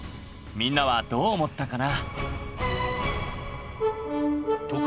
みんなはどう思ったかな？